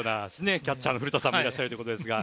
キャッチャーの古田さんもいらっしゃるということですが。